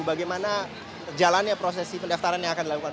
bagaimana jalannya prosesi pendaftaran yang akan dilakukan